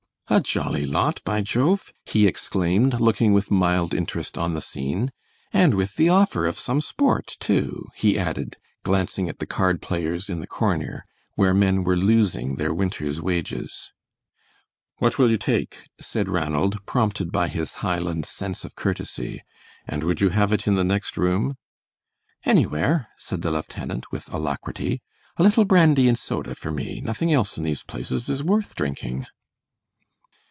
"A jolly lot, by Jove!" he exclaimed, looking with mild interest on the scene, "and with the offer of some sport, too," he added, glancing at the card players in the corner, where men were losing their winter's wages. "What will you take?" said Ranald, prompted by his Highland sense of courtesy, "and would you have it in the next room?" "Anywhere," said the lieutenant, with alacrity; "a little brandy and soda for me; nothing else in these places is worth drinking."